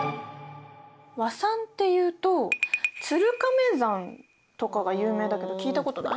和数っていうと鶴亀算とかが有名だけど聞いたことない？